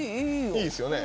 いいですよね。